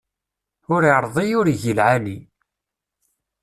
Ur iṛḍi ur igi lɛali.